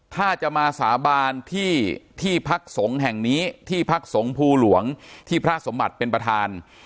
ถ้าจะมาสาบานที่ที่พักสงฆ์แห่งนี้ที่พักสงภูหลวงที่พระสมบัติเป็นประธาน